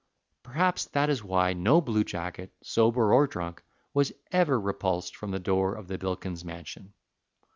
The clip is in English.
Perhaps that is why no blue jacket, sober or drunk, was ever repulsed from the door of the Bilkins mansion.